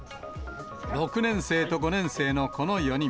６年生と５年生のこの４人。